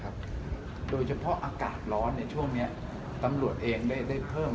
กราบครับโดยเฉพาะอากาศร้อนเนี่ยช่วงเนี้ยตำรวจเองได้ได้เพิ่ม